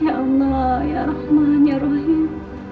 ya allah ya rahman yair rahim